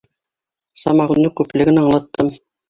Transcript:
Самогондың күплеген аңлаттым.